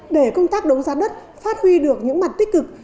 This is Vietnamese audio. để công tác đấu giá đất phát huy được những mặt tích cực